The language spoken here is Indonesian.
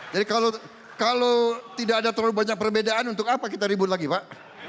jadi kalau tidak ada terlalu banyak perbedaan untuk apa kita ribut lagi pak